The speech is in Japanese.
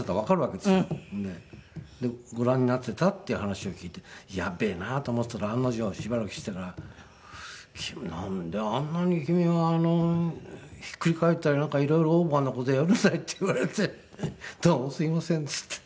でご覧になっていたっていう話を聞いてやべえなと思っていたら案の定しばらくしてから「なんであんなに君はひっくり返ったり色々あんな事やめなさい」って言われて「どうもすいません」って言って。